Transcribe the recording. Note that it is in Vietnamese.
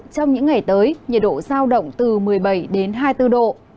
trong những ngày tới nhiệt độ giao động từ một mươi bảy đến hai mươi bốn độ